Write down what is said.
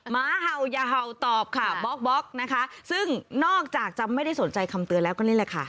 หมาเห่าอย่าเห่าตอบค่ะบล็อกบล็อกนะคะซึ่งนอกจากจะไม่ได้สนใจคำเตือนแล้วก็นี่แหละค่ะ